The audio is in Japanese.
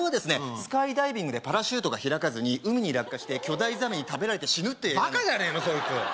スカイダイビングでパラシュートが開かずに海に落下して巨大ザメに食べられて死ぬっていうバカじゃねえのそいつ